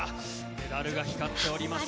メダルが光っております。